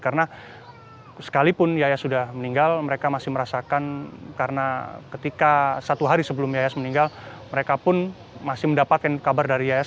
karena sekalipun yayas sudah meninggal mereka masih merasakan karena ketika satu hari sebelum yayas meninggal mereka pun masih mendapatkan kabar dari yayas